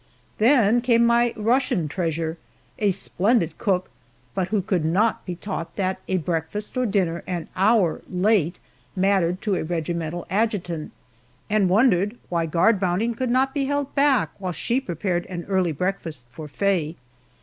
Then came my Russian treasure a splendid cook, but who could not be taught that a breakfast or dinner an hour late mattered to a regimental adjutant, and wondered why guard mounting could not be held back while she prepared an early breakfast for Faye.